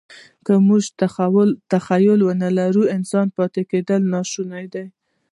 که موږ تخیل ونهلرو، انسان پاتې کېدل ناشوني دي.